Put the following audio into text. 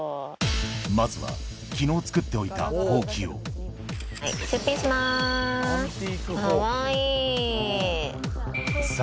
まずは昨日作っておいたほうきをはい出品しますかわいい。